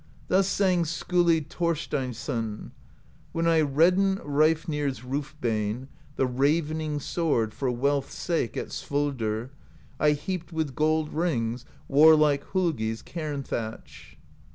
Thus sang Skiili Thorsteinsson: When I reddened Reifnir's Roof Bane, The ravening sword, for wealth's sake At Svoldr, I heaped with gold rings Warlike Holgi's cairn thatch.